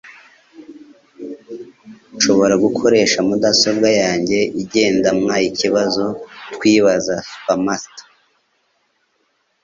Nshobora gukoresha mudasobwa yanjye igendanwaikibazo twibaza (Spamster)